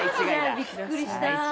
びっくりした。